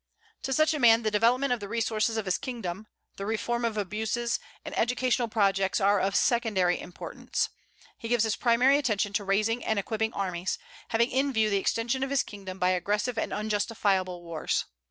To such a man the development of the resources of his kingdom, the reform of abuses, and educational projects are of secondary importance; he gives his primary attention to raising and equipping armies, having in view the extension of his kingdom by aggressive and unjustifiable wars.